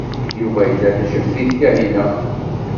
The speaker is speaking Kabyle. Yuba yella tejbed-it Kahina.